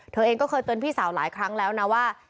เธอเองก็เคยเตือนพี่สาวหลายครั้งแล้วนะว่า